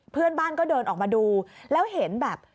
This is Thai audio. เพื่อนบ้านก็เดินออกมาดูแล้วเห็นแบบ